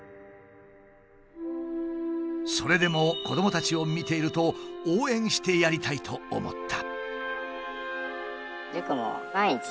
それでも子どもたちを見ていると応援してやりたいと思った。